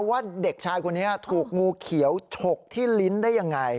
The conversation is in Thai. ว่าเด็กชายคนนี้ถูกงูเขียวฉกที่ลิ้นได้ยังไง